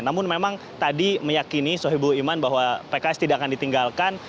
namun memang tadi meyakini sohibul iman bahwa pks tidak akan ditinggalkan